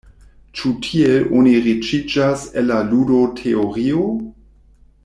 Ĉu tiel oni riĉiĝas el la ludo-teorio?